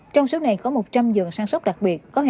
trong số này có một trăm linh giường sang sóc đặc biệt